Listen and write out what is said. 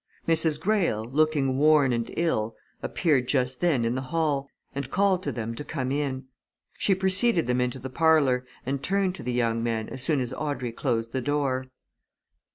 Mrs. Greyle, looking worn and ill, appeared just then in the hall, and called to them to come in. She preceded them into the parlour and turned to the young men as soon as Audrey closed the door.